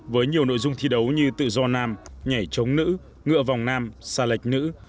với nhiều nội dung thi đấu như tự do nam nhảy chống nữ ngựa vòng nam xa lệch nữ